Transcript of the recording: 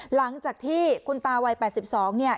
หลังจากที่คุณตาวัย๘๒เนี่ย